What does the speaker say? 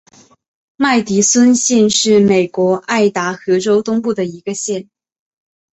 麦迪逊县是美国爱达荷州东部的一个县。